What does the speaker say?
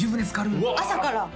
朝から？